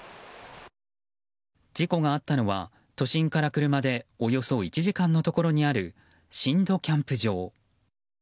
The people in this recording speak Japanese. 事故があったのは、都心から車でおよそ１時間のところにある新戸キャンプ場。